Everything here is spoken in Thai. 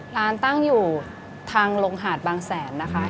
ร้านตั้งอยู่ทางลงหาดบางแสนนะคะ